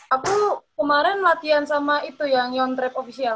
aku kemarin latihan sama itu ya yontrep official